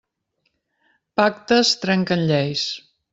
Pactes trenquen lleis.